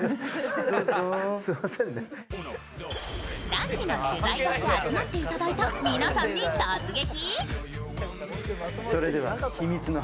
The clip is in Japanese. ランチの取材として集まってもらった皆さんに突撃。